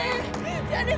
ayolah homeowners lapar deh